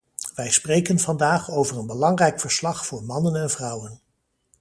Wij spreken vandaag over een belangrijk verslag voor mannen en vrouwen.